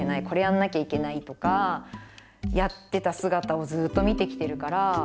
これやんなきゃいけないとかやってた姿をずっと見てきてるから。